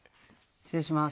失礼します。